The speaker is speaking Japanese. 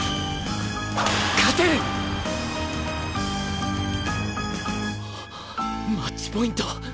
勝てる！マッチポイント！